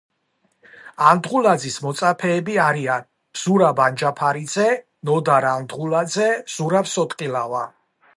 ანდღულაძის მოწაფეები არიან ზურაბ ანჯაფარიძე, ნოდარ ანდღულაძე, ზურაბ სოტკილავა.